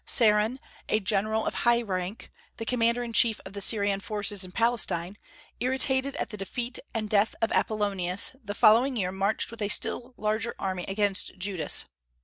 Seron, a general of higher rank, the commander in chief of the Syrian forces in Palestine, irritated at the defeat and death of Apollonius, the following year marched with a still larger army against Judas.